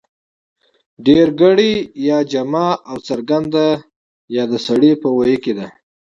ډېرگړې يا جمع او څرگنده يا د سړي په ویي کې ده